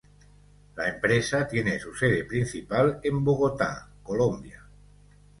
La empresa tiene su sede principal en Bogota, Colombia.